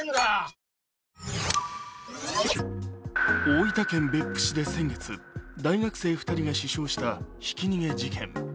大分県別府市で先月、大学生２人が死傷したひき逃げ事件